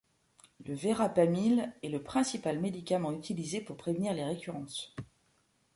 Le vérapamil est le principal médicament utilisé pour prévenir les récurrences.